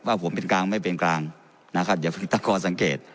ว่าผมเป็นกลางไม่เป็นกลางนะครับอย่าเพิ่งตั้งข้อสังเกต